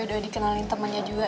udah dikenalin temennya juga